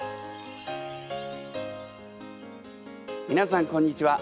みなさんこんにちは。